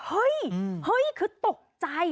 เฮ้ยคือตกใจ